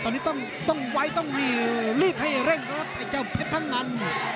ตอนนี้ต้องไว้ต้องรีบให้เร่งนะครับไอ้เจ้าเพชรพังงัน